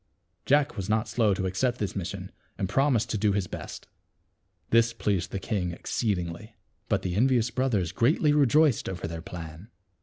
Jack was not slow to accept this mission and THE WITCH'S T R EA S TJRES. 243 promised to do his best. This pleased the king exceedingly. But the envious brothers greatly rejoiced over their plan.